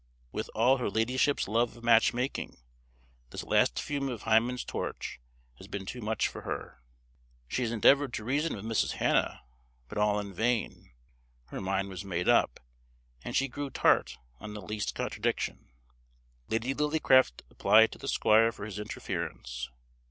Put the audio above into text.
With all her ladyship's love of match making, this last fume of Hymen's torch has been too much for her. She has endeavoured to reason with Mrs. Hannah, but all in vain; her mind was made up, and she grew tart on the least contradiction. Lady Lillycraft applied to the squire for his interference.